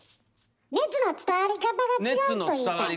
熱の伝わり方が違うと言いたい？